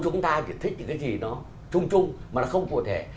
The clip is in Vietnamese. chúng ta chỉ thích những cái gì nó trung trung mà nó không cụ thể